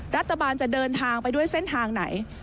รัฐบาลจะเดินทางไปด้วยเส้นทางไหน